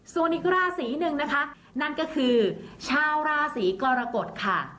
ส่วนอีกราศีหนึ่งนะคะนั่นก็คือชาวราศีกรกฎค่ะ